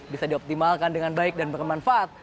bisa dioptimalkan dengan baik dan bermanfaat